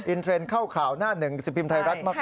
เทรนด์เข้าข่าวหน้าหนึ่งสิบพิมพ์ไทยรัฐมาก